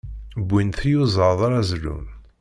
Wwin-d tiyuẓaḍ ara zlun.